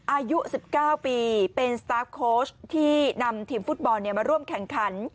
อายุ๑๙ปีเป็นสตาร์ฟโค้ชที่นำทีมฟุตบอลมาร่วมแข่งขัน